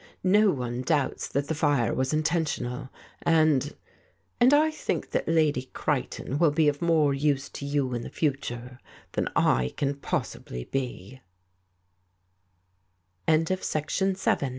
"No one doubts that the fire was intentional, and — and I think that Lady Creighton will be of more use to you in the future than I can poss